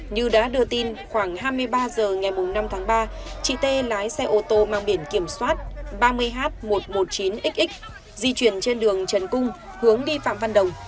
như đã đưa tin khoảng hai mươi ba h ngày năm tháng ba chị tê lái xe ô tô mang biển kiểm soát ba mươi h một trăm một mươi chín xx di chuyển trên đường trần cung hướng đi phạm văn đồng